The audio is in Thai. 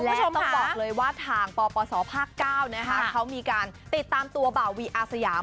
และต้องบอกเลยว่าทางปปศภาคเก้านะฮะเขามีการติดตามตัวบ่าววีอาสยาม